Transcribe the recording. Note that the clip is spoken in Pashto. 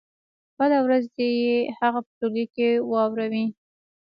بله ورځ دې يې هغه په ټولګي کې واوروي.